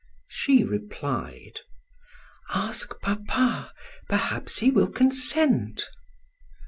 She replied: "Ask papa. Perhaps he will consent."